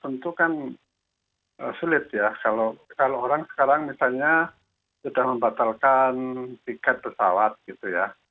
tentu kan sulit ya kalau orang sekarang misalnya sudah membatalkan tiket pesawat gitu ya